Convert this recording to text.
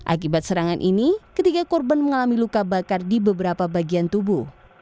akibat serangan ini ketiga korban mengalami luka bakar di beberapa bagian tubuh